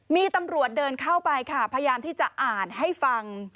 มีตำรวจเดินเข้าไปค่ะพยายามที่จะอ่านให้ฟัง